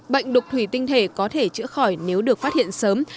bệnh đục thủy tinh thể có thể chữa khỏi nếu được phát hiện sớm